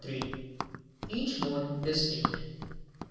Each Mode distinct.